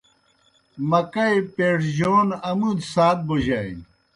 مکئی پَیڙجون آمودیْ سات بوجانیْ۔